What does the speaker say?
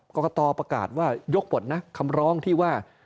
กรกตประกาศว่ายกหมดนะคำร้องที่ว่า